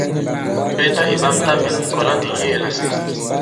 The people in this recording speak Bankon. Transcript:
Mbenda ì ɓamta mɛ̀, mɛ̀ kɔ̀la ndi ŋ̀yeē lasi.